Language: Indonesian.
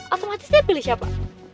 otomatis dia pilih siapa